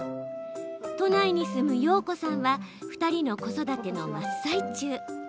都内に住む曜子さんは２人の子育ての真っ最中。